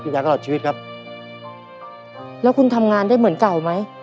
อยากตลอดชีวิตครับแล้วคุณทำงานได้เหมือนเก่าไหม